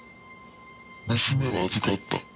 「娘は預かった」